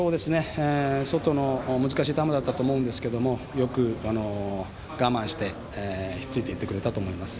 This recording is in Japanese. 外の難しい球だったと思いますがよく我慢して引っ付いていってくれたと思います。